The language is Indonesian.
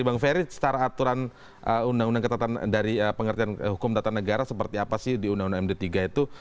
bang ferry secara aturan undang undang ketatan dari pengertian hukum tata negara seperti apa sih di undang undang md tiga itu